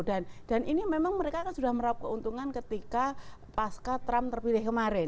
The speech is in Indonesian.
dan ini memang mereka kan sudah merap keuntungan ketika pasca trump terpilih kemarin